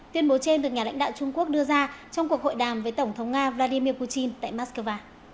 tuyên bố trên được nhà lãnh đạo trung quốc đưa ra trong cuộc hội đàm với tổng thống nga vladimir putin tại moscow